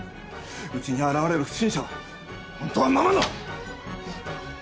うちに現れる不審者は本当はママの。